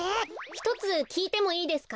ひとつきいてもいいですか？